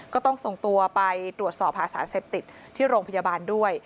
ก็ต้องส่งตัวไปตรวจสอบหาสารเสพติดที่โรงพยาบาลด้วย